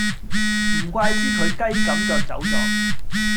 唔怪之佢雞咁腳走左